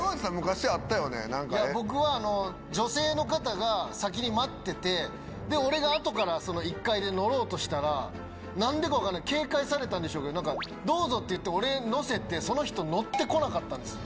僕は女性の方が先に待ってて俺が後から１階で乗ろうとしたら何でか分かんない警戒されたんでしょうけど「どうぞ」って言って俺乗せてその人乗って来なかったんです。